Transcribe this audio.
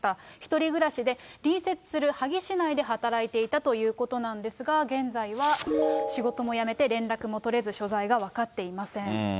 １人暮らしで、隣接する萩市内で働いていたということなんですが、現在は、仕事も辞めて連絡も取れず所在が分かっていません。